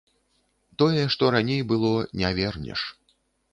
Тое, што раней было, не вернеш.